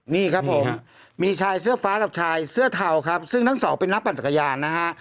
นี่ครับผมมีชายเสื้อฟ้ากับชายเสื้อเทาครับซึ่งทั้งสองเป็นนักปั่นจักรยานนะฮะ